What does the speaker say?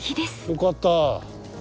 よかった！